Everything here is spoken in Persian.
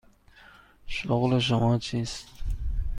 شغل شما چیست؟